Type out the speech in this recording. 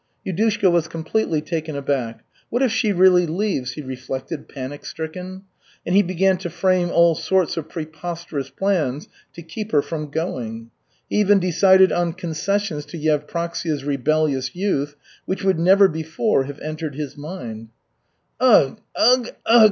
Yudushka was completely taken aback. "What if she really leaves?" he reflected panic stricken. And he began to frame all sorts of preposterous plans to keep her from going. He even decided on concessions to Yevpraksia's rebellious youth which would never before have entered his mind. "Ugh, ugh, ugh!"